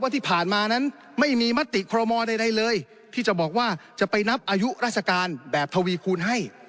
ที่ผ่านมานั้นไม่มีมติคอรมอใดเลยที่จะบอกว่าจะไปนับอายุราชการแบบทวีคูณให้